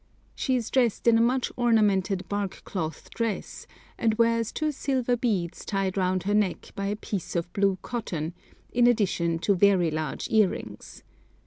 She is dressed in a much ornamented bark cloth dress, and wears two silver beads tied round her neck by a piece of blue cotton, in addition to very large earrings.